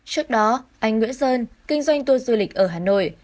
trước đó anh nguyễn sơn kinh doanh tour du lịch ở hà nội